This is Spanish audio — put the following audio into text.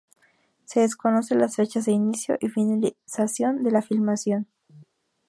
Se desconocen las fechas de inicio y finalización de la filmación.